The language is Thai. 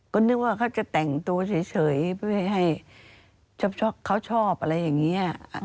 ก็นึกว่าเขาจะแต่งตัวเฉยเพื่อให้ชอบเขาชอบอะไรอย่างนี้